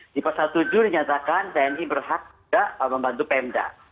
di pasal tujuh dinyatakan tni berhak juga membantu pemda